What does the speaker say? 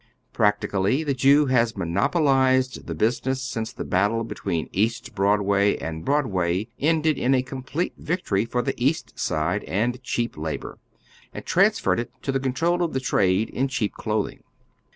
Practically the Jew has monopolized the business since the battle between East Broadway and Broadway ended in a complete victorj' for the East Side and cheap labor, and transferred to it the control of the trade in cheap clothing.